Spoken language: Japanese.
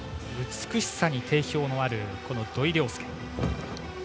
美しさに定評がある土井陵輔。